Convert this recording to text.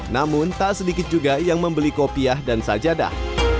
namun tak sedikit juga yang membeli kopiah dan sajadah